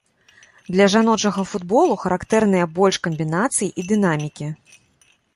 Для жаночага футболу характэрныя больш камбінацый і дынамікі.